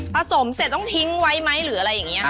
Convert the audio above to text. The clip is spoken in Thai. สมเสร็จต้องทิ้งไว้ไหมหรืออะไรอย่างนี้ค่ะ